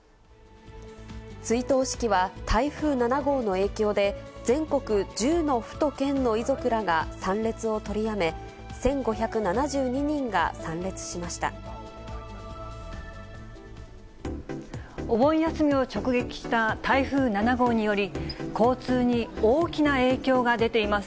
追悼式は、台風７号の影響で、全国１０の府と県の遺族らが参列を取りやめ、１５７２人が参列しお盆休みを直撃した台風７号により、交通に大きな影響が出ています。